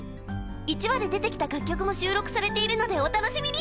１話で出てきた楽曲も収録されているのでお楽しみに！